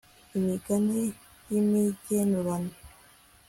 imigani y'imigenurano